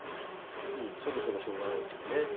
そろそろしょうがないですよね。